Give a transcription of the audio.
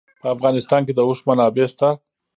په افغانستان کې د اوښ منابع شته.